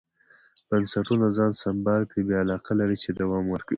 بنسټونه ځان سمبال کړي بیا علاقه لري چې دوام ورکړي.